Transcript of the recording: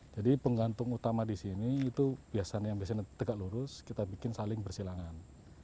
jadi penggantung utama di sini itu biasanya yang tegak lurus kita bikin saling bersilangan